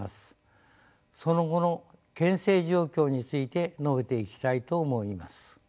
その後の県政状況について述べていきたいと思います。